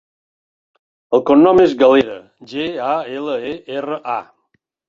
El cognom és Galera: ge, a, ela, e, erra, a.